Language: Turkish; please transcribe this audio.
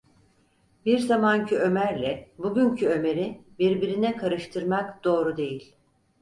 Bir zamanki Ömer’le bugünkü Ömer’i birbirine karıştırmak doğru değil…